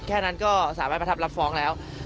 แค่นั้นก็สามารถประทับรับฟ้องแล้ว